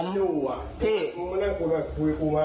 เออมึงอยู่ตรงนี้ผลมันร้อยพร้อมแม่